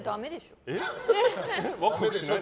ワクワクしない？